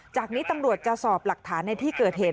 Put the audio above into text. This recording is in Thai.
จากนี้ตำรวจจะสอบหลักฐานในที่เกิดเหตุ